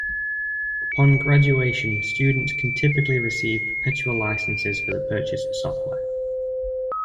Upon graduation, students can typically receive perpetual licenses for the purchased software.